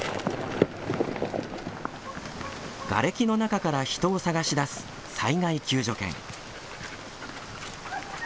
がれきの中から人を捜し出す災害救助犬。